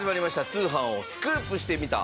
『通販をスクープしてみた！！』。